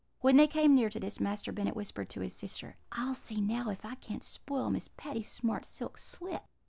When they came near to this, Master Bennet whispered to his sister: "'I'll see now if I can't spoil Miss Patty's smart silk slip.'